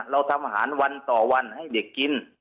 เราทำอาหารวันต่อวันให้เด็กกิน